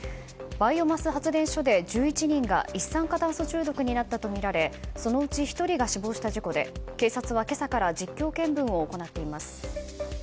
バイオマス発電所で１１人が一酸化炭素中毒になったとみられそのうち１人が死亡した事故で警察は今朝から実況見分を行っています。